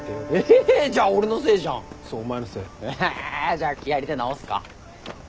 じゃあ気合入れて直すか。